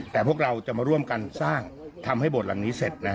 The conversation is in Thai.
แต่พวกเราจะมาร่วมกันสร้างทำให้โบสถ์หลังนี้เสร็จ